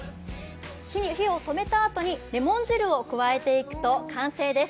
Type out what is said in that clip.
火を止めたあとに、レモン汁を加えていくと完成です。